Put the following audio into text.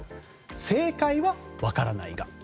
正解は分からないが。